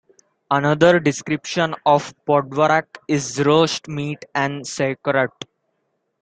Another description of podvarak is roast meat en sauerkraut.